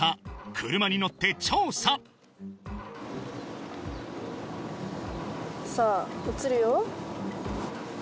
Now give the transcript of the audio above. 車に乗って調査さあ映るよ